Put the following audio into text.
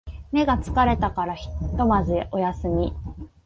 目が疲れたからひとまずお休み